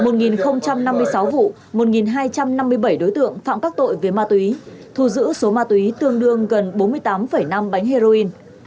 một năm mươi sáu vụ một hai trăm năm mươi bảy đối tượng phạm các tội về ma túy thu giữ số ma túy tương đương gần bốn mươi tám năm bánh heroin